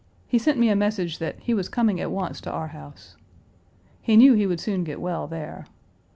He sent me a message that "he was coming at once to our house." He knew he would soon get well there.